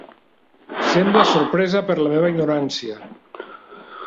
Sembla sorpresa per la meva ignorància.